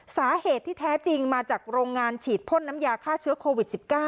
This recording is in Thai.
สาเหตุที่แท้จริงมาจากโรงงานฉีดพ่นน้ำยาฆ่าเชื้อโควิด๑๙